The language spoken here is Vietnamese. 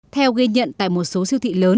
theo ghi nhận tại một số siêu thị